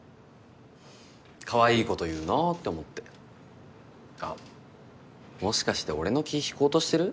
かわいいこと言うなって思ってあっもしかして俺の気引こうとしてる？